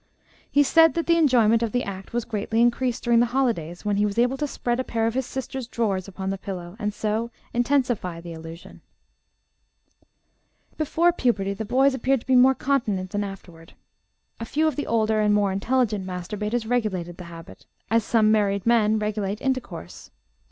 He said that the enjoyment of the act was greatly increased during the holidays, when he was able to spread a pair of his sister's drawers upon the pillow, and so intensify the illusion. "Before puberty the boys appeared to be more continent than afterward. A few of the older and more intelligent masturbators regulated the habit, as some married men regulate intercourse.